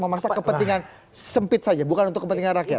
memaksa kepentingan sempit saja bukan untuk kepentingan rakyat